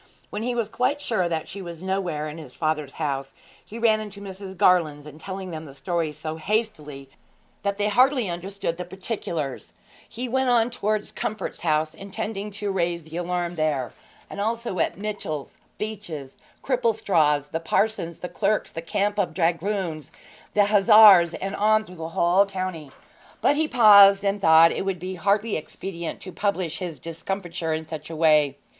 When he was quite sure that she was nowhere in his father's house, he ran into Mrs. Garland's, and telling them the story so hastily that they hardly understood the particulars, he went on towards Comfort's house, intending to raise the alarm there, and also at Mitchell's, Beach's, Cripplestraw's, the parson's, the clerk's, the camp of dragoons, of hussars, and so on through the whole county. But he paused, and thought it would be hardly expedient to publish his discomfiture in such a way.